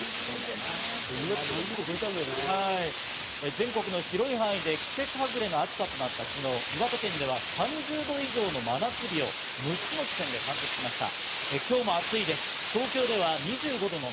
全国の広い範囲で季節外れの暑さとなった昨日、岩手県では３０度以上の真夏日を６つの地点で観測しました。